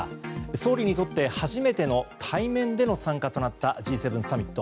総理にとって初めての対面での参加となったＧ７サミット。